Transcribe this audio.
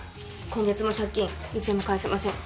今月も借金１円も返せません。